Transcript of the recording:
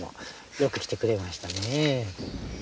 よく来てくれましたね。